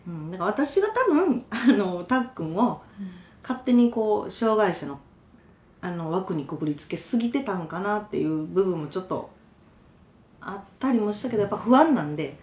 私が多分あのたっくんを勝手にこう障害者の枠にくくりつけすぎてたんかなっていう部分もちょっとあったりもしたけどやっぱ不安なんで。